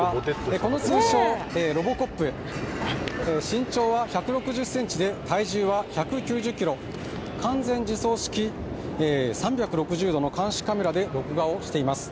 この通称ロボコップ、身長は１６０ｃｍで体重は１９０ｋｇ、完全自走式３６０度の監視カメラで録画しています。